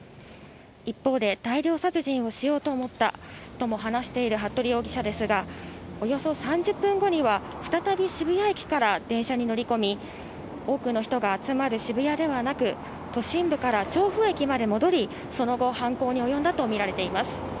一方で大量殺人をしようと思ったとも話している服部容疑者ですが、およそ３０分後には再び渋谷駅から電車に乗り込み、多くの人が集まる渋谷ではなく、都心部から調布駅まで戻り、その後、犯行に及んだと見られています。